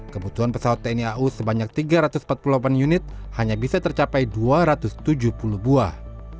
kebutuhan pesawat tni au sebanyak tiga ratus empat puluh delapan unit hanya bisa tercapai dua ratus tujuh puluh buah